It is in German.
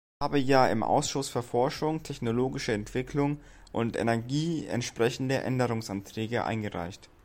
Ich habe ja im Ausschuss für Forschung, technologische Entwicklung und Energie entsprechende Änderungsanträge eingereicht.